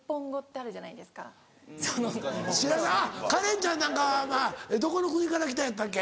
あっカレンちゃんなんかはどこの国から来たんやったっけ？